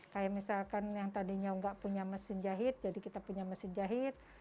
kita punya mesin jahit jadi kita punya mesin jahit